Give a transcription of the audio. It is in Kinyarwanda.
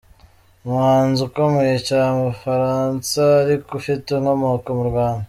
Umuhanzi ukomeye cya mubufaransa ariko ufute inkomoko mu Rwanda.